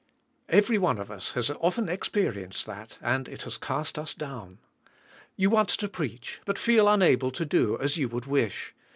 Kvery one of us has often experienced that, and it has cast us down. You want to preach, but feel unable to do as you would wish.